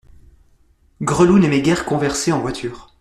Gresloup n'aimait guère converser en voiture.